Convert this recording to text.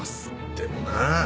でもなぁ。